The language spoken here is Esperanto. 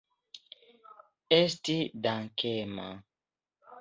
Esti dankema.